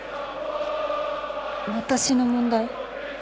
私の問題？